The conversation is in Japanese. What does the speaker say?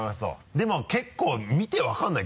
でも結構見て分からない？